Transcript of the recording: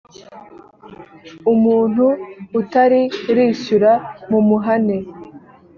umuntu utari rishyura mumuhane.